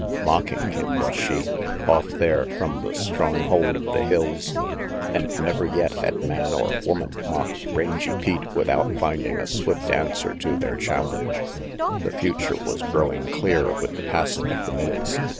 Mocking him, was she, off there from the strong hold of the hills? And never yet had man or woman mocked Rangy Pete without finding a swift answer to their challenge. The future was growing clear with the passing of the minutes.